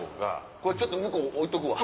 これちょっと向こう置いとくわ。